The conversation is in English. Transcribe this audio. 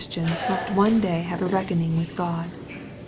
tidns must one day have a reckoning with Qvd.